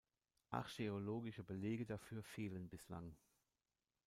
Archäologische Belege dafür fehlen bislang.